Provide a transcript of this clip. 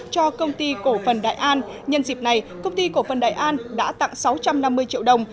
cho công ty cổ phần đại an nhân dịp này công ty cổ phần đại an đã tặng sáu trăm năm mươi triệu đồng